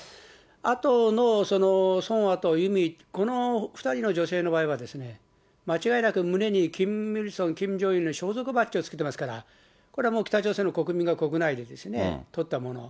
あとのソンアとユミ、この２人の女性の場合は、間違いなく胸にキム・イルソン、キム・ジョンイルの肖像画バッチをつけてますから、これはもう北朝鮮の国内で撮ったもの。